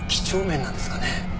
几帳面なんですかね。